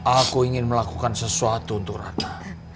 aku ingin melakukan sesuatu untuk ratna